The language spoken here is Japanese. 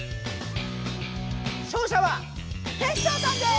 勝者はテッショウさんです！